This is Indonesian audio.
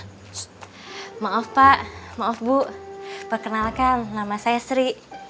pak maaf pak maaf bu perkenalkan nama saya sri